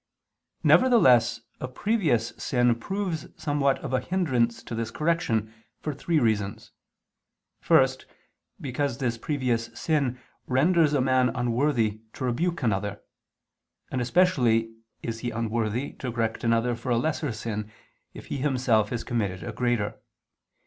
Nevertheless a previous sin proves somewhat of a hindrance to this correction, for three reasons. First because this previous sin renders a man unworthy to rebuke another; and especially is he unworthy to correct another for a lesser sin, if he himself has committed a greater.